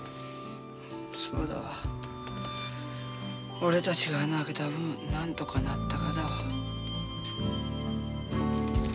俺たちが穴あけた分なんとかなったがだわ。